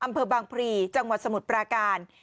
อำเภอบางพลีจังหวัดสมุทรปราการ